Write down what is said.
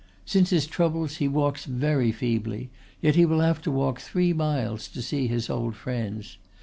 Since his troubles he walks very feebly, yet he will have to walk three miles to see his old friends.